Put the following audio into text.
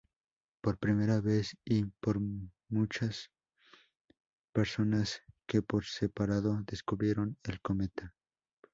Por primera vez y por muchas personas que por separado 'descubrieron' el cometa.